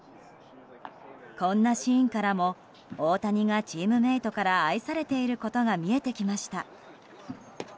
こんなシーンからも大谷がチームメートから愛されていることが見えてきました。